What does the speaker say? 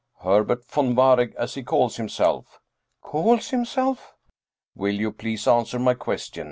" Herbert von Waregg, as he calls himself." "Calls himself?" " Will you please answer my question